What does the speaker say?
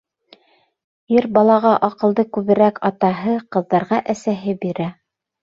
Ир балаға аҡылды күберәк — атаһы, ҡыҙҙарға әсәһе бирә.